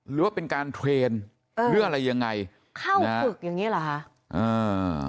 หรือว่าเป็นการเทรนด์หรืออะไรยังไงเข้าฝึกอย่างเงี้เหรอคะอ่า